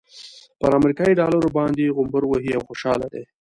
پر امريکايي ډالرو باندې غومبر وهي او خوشحاله دی.